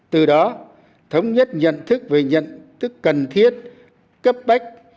từ đó thống nhất nhận thức về nhận thức cần thiết cấp bách